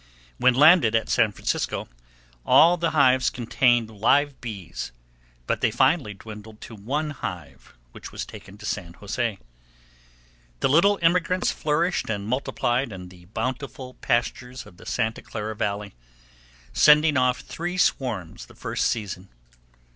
When landed at San Francisco, all the hives contained live bees, but they finally dwindled to one hive, which was taken to San José. The little immigrants flourished and multiplied in the bountiful pastures of the Santa Clara Valley, sending off three swarms the first season.